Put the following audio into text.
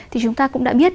thì chúng ta cũng đã biết